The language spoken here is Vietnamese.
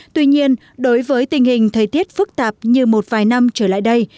tuy nhiên đối với tình hình thời tiết phức tạp như một vài năm trở lại đây